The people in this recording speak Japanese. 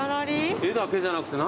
絵だけじゃなくて何？